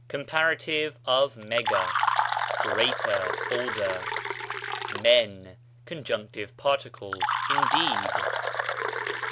(comp. of péyas), greater, older. pév, conjunctive particle, indeed.